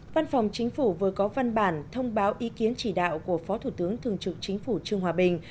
văn phòng chính phủ vừa có văn bản thông báo ý kiến chỉ đạo của phó thủ tướng thường trực chính phủ trương hòa bình